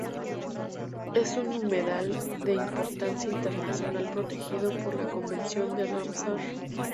Es un humedal de importancia internacional protegido por la convención de Ramsar.